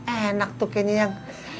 enak tuh kayaknya yang